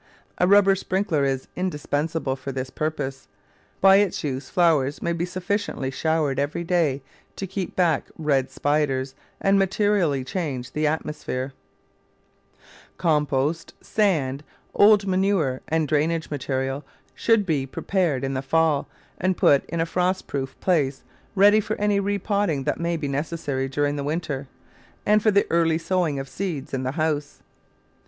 A rubber sprinkler is indispen sable for this purpose ; by its use flowers may be suf Digitized by Google Twenty] f^OUtt^latlt* 215 ficiently showered every day to keep back red spiders and materially change the atmosphere. Compost, sand, old manure, and drainage material should be prepared in the fall and put in a frost proof place ready for any repotting that may be necessary during the winter, and for the early sowing of seeds in the house.